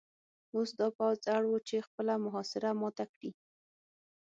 اوس دا پوځ اړ و چې خپله محاصره ماته کړي